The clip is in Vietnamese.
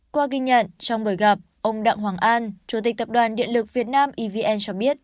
qua ghi nhận trong buổi gặp ông đặng hoàng an chủ tịch tập đoàn điện lực việt nam evn cho biết